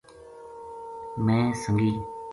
میں سنگی